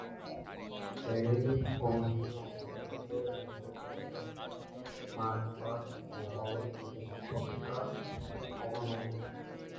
এই অনুষ্ঠানের অংশ হিসেবে রয়েছে প্যারেড, মার্চ-পাস্ট এবং দুই দেশের পতাকা অবনমন।